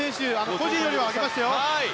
個人よりは上げましたね。